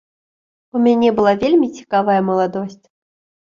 У мяне была вельмі цікавая маладосць.